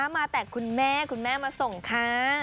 มาแต่คุณแม่คุณแม่มาส่งค่ะ